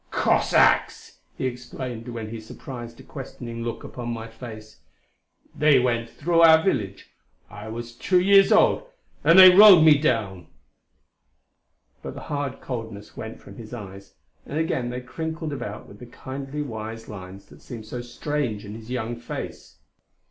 "Cossacks!" he explained when he surprised a questioning look upon my face. "They went through our village. I was two years old and they rode me down!" But the hard coldness went from his eyes, and again they crinkled about with the kindly, wise lines that seemed so strange in his young face.